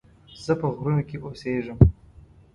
زه په غرونو کې اوسيږم